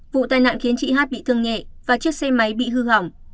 vụ tai nạn khiến chị hát bị thương nhẹ và chiếc xe máy bị hư hỏng